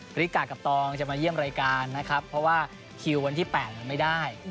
ริกากับตองจะมาเยี่ยมรายการนะครับเพราะว่าคิววันที่๘มันไม่ได้